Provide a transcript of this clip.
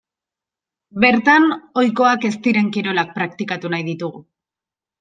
Bertan ohikoak ez diren kirolak praktikatu nahi ditugu.